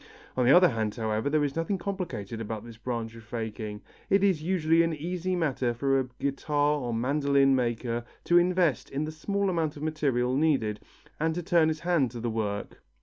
On the other hand, however, there is nothing complicated about this branch of faking. It is usually an easy matter for a guitar or mandoline maker to invest in the small amount of material needed, and to turn his hand to the work.